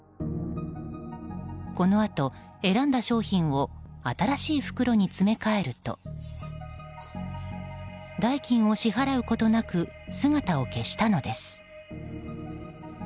このあと、選んだ商品を新しい袋に詰め替えると代金を支払うことなく姿を消したのです。